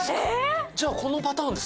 じゃあこのパターンですか？